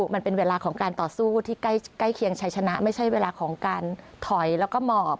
มันเป็นเวลาของการต่อสู้ที่ใกล้เคียงชัยชนะไม่ใช่เวลาของการถอยแล้วก็หมอบ